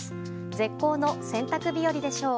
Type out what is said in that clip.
絶好の洗濯日和でしょう。